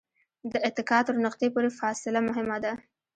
د اتکا تر نقطې پورې فاصله مهمه ده.